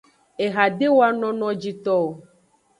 Eha de wano nojito o.